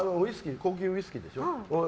高級ウイスキーでしょ